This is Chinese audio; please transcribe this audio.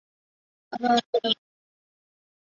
王沂孙人。